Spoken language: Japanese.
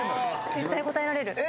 絶対答えられる。